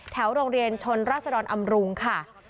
โรงเรียนชนราศดรอำรุงค่ะ